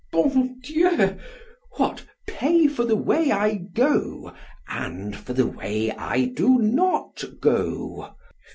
Bon Dieu! what, pay for the way I go! and for the way I do not go!